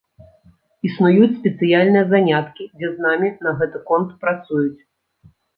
Існуюць спецыяльныя заняткі, дзе з намі на гэты конт працуюць.